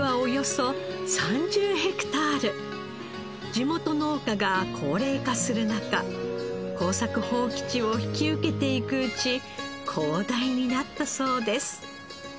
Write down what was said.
地元農家が高齢化する中耕作放棄地を引き受けていくうち広大になったそうです。